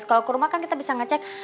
kalau ke rumah kan kita bisa ngecek